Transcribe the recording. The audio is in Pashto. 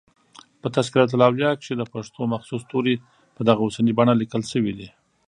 په" تذکرة الاولیاء" کښي دپښتو مخصوص توري په دغه اوسنۍ بڼه لیکل سوي دي.